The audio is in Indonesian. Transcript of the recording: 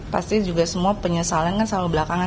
pasti juga semua penyesalan kan selalu belakangan